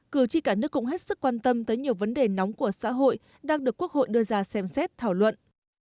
cử tri cả nước cũng hết sức quan tâm tới nhiều vấn đề nóng của xã hội đang được quốc hội đưa ra xem xét thảo luận